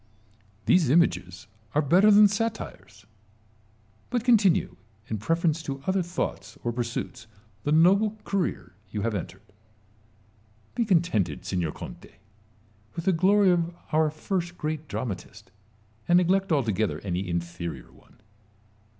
These images are better than satires ; but con tinue, in preference to other thoughts or pursuits, the noble 246 IMA GIN A R V CONFERS A TIONS. career you have entered, Be contented, signor Conte, with the glory of our first great dramatist, and neglect altogether any inferior one.